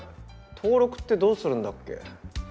登録ってどうするんだっけ？